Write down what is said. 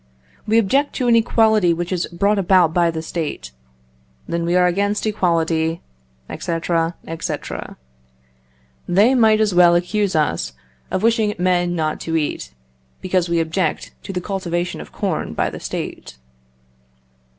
We object to an equality which is brought about by the State then we are against equality, &c., &c. They might as well accuse us of wishing men not to eat, because we object to the cultivation of corn by the State.